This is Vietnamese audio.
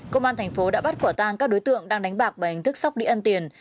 công an tp đã bắt quả tang các đối tượng đang đánh bạc bằng hành thức sóc đi ăn tiền